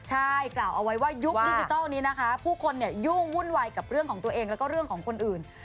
ใช่กล่าวเอาไว้ว่ายุคดิจิทัลนี้นะคะผู้คนยุ่งวุ่นวายกับเรื่องของตัวเองแล้วก็เรื่องของคนอื่น